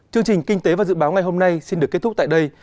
chương trình kinh tế và dự báo ngày hôm nay xin được kết thúc tại đây